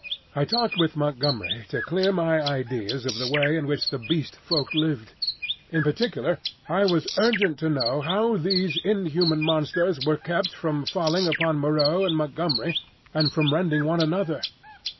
I talked with Montgomery to clear my ideas of the way in which the Beast Folk lived. In particular, I was urgent to know how these inhuman monsters were kept from falling upon Moreau and Montgomery and from rending one another.